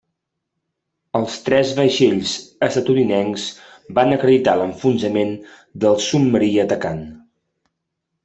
Els tres vaixells estatunidencs van acreditar l'enfonsament del submarí atacant.